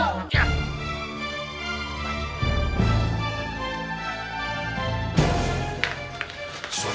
siapa yang tak kabur